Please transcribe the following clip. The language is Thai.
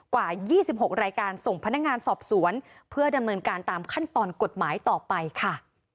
กว่า๒๖รายการส่งพนักงานสอบสวนเพื่อดำเนินการตามขั้นตอนกฎหมายต่อไปค่ะ